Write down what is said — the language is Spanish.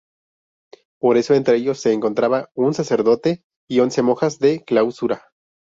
Por eso entre ellos se encontraba un sacerdote y once monjas de clausura.